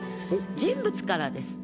人物からです。